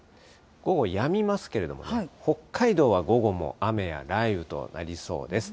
午後やみますけれども、北海道は午後も雨や雷雨となりそうです。